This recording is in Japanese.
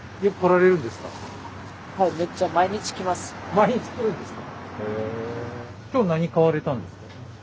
毎日来るんですか？